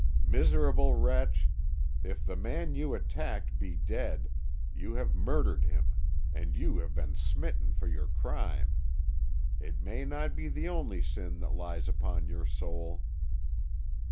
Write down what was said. "Miserable wretch, if the man you attacked be dead, you have murdered him, and you have been smitten for your crime. It may not be the only sin that lies upon your soul."